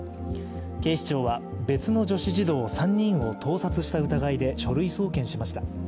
警視庁は別の女子児童３人を盗撮した疑いで書類送検しました。